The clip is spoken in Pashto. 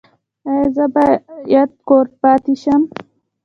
ایا زه باید کور پاتې شم؟